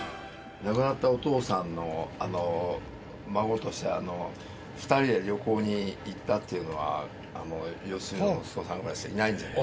亡くなったお父さんの孫として２人で旅行に行ったっていうのは良純の息子さんぐらいしかいないんじゃない？